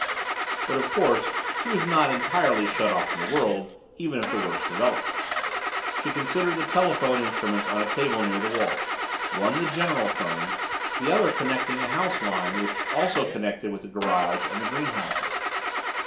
But of course she was not entirely shut off from the world, even if the worst developed. She considered the telephone instruments on a table near the wall, one the general phone, the other connecting a house line which also connected with the garage and the greenhouses.